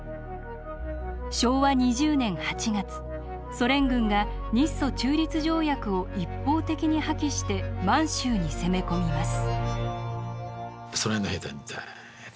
昭和２０年８月ソ連軍が日ソ中立条約を一方的に破棄して満州に攻め込みます。